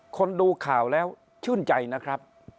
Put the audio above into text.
คนดูข่าวแล้วชื่นใจนะครับ